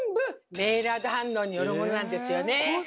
メイラード反応によるものなんですよね！